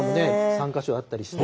３か所あったりして。